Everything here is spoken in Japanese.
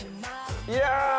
いや！